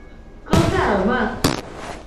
戈塞尔曼。